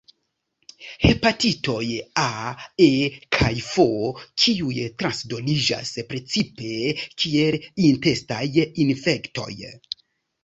Hepatitoj A, E kaj F kiuj transdoniĝas precipe kiel intestaj infektoj.